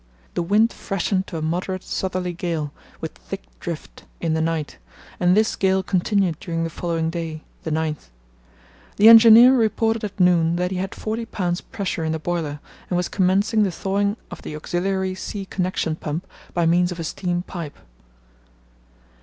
The wind freshened to a moderate southerly gale, with thick drift, in the night, and this gale continued during the following day, the 9th. The engineer reported at noon that he had 40 lb. pressure in the boiler and was commencing the thawing of the auxiliary sea connexion pump by means of a steam pipe.